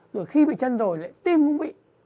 rồi khi bị chân rồi lại tim cũng bị